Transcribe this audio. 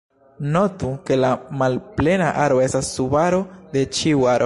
Notu, ke la malplena aro estas subaro de ĉiu aro.